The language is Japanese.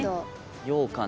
ようかん。